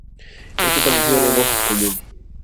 Esto, traducido al lenguaje común